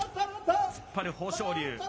突っ張る豊昇龍。